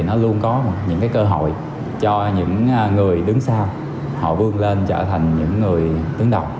nó luôn có những cái cơ hội cho những người đứng sau họ vươn lên trở thành những người đứng đầu